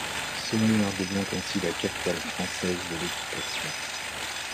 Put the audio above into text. Saumur devient ainsi la capitale française de l'équitation.